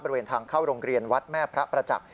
บริเวณทางเข้าโรงเรียนวัดแม่พระประจักษ์